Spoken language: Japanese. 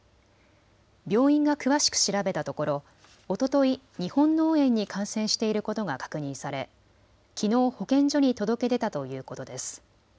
病院が詳しく調べたところおととい日本脳炎に感染していることが確認されきのう保健所に届け出たということです。